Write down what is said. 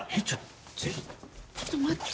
ちょっと待って。